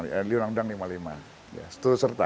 setuju serta pasal lima puluh lima setuju serta